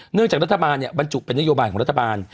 เนื่องจากรัฐบาลเนี่ยบรรจุเป็นนโยบายของรัฐบาล